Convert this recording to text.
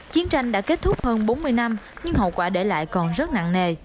chiến tranh đã kết thúc hơn bốn mươi năm nhưng hậu quả để lại còn rất nặng nề